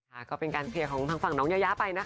พี่กี้เป็นคนที่ทำงานให้ง่ายที่สุด